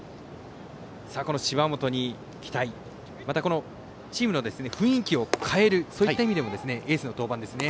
芝本に期待またチームの雰囲気を変えるそういった意味でもエースの登板ですね。